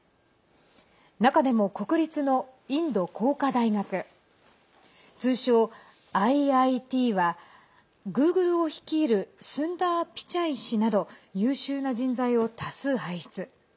中でも国立のインド工科大学通称ＩＩＴはグーグルを率いるスンダー・ピチャイ氏など優秀な人材を多数輩出。